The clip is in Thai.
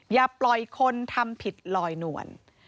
อย่าปล่อยคนทำผิดลอยนวล